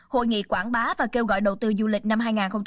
hội nghị quảng bá và kêu gọi đầu tư du lịch năm hai nghìn hai mươi